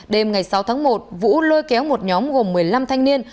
đêm ngày sáu tháng một vũ lôi kéo một nhóm gồm một mươi năm thanh niên